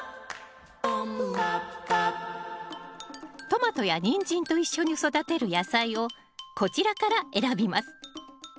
トマトやニンジンと一緒に育てる野菜をこちらから選びます。